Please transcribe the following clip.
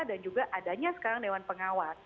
dan juga adanya sekarang dewan pengawas